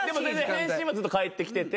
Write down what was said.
返信はずっと返ってきてて。